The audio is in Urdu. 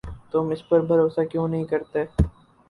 تم اس پر بھروسہ کیوں نہیں کرتے؟